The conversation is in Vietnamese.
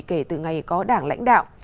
kể từ ngày có đảng lãnh đạo